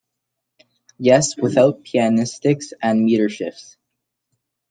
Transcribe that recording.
Yes without pianistics and meter shifts.